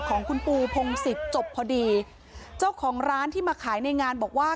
ของคุณปูพงศิษย์จบพอดีเจ้าของร้านที่มาขายในงานบอกว่า